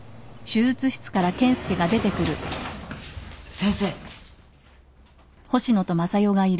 先生。